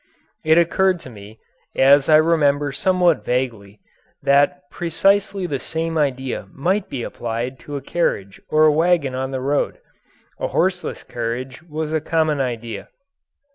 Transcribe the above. It occurred to me, as I remember somewhat vaguely, that precisely the same idea might be applied to a carriage or a wagon on the road. A horseless carriage was a common idea.